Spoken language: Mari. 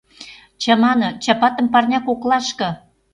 Чамане, чапатым парня коклашке